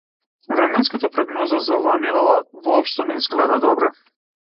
Временската прогноза за оваа недела воопшто не изгледа добро.